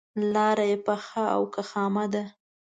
لاره یې پخه او که خامه ده.